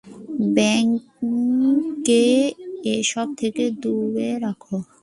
Bank কে এসব থেকে দূরে রাখ।